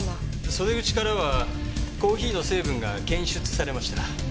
袖口からはコーヒーの成分が検出されました。